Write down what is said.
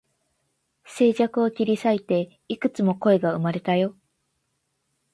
静寂を切り裂いて、幾つも声が生まれたよ